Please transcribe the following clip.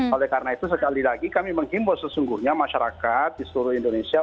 oleh karena itu sekali lagi kami menghimbau sesungguhnya masyarakat di seluruh indonesia